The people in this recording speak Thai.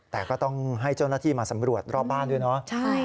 แต่ก็ต้องให้เจ้าหน้าที่มาสำรวจรอบบ้านด้วยเนาะ